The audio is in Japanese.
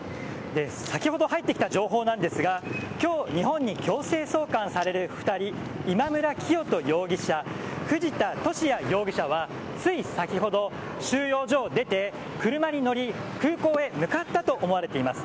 先ほど入ってきた情報なんですが今日、日本に強制送還される２人今村磨人容疑者藤田聖也容疑者はつい先ほど、収容所を出て車に乗り空港へ向かったと思われています。